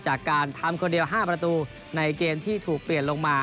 จากการทำคนเดียว๕ประตูในเกมที่ถูกเปลี่ยนลงมา